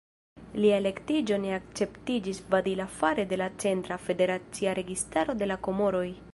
Lia elektiĝo ne akceptiĝis valida fare de la centra, federacia registaro de la Komoroj.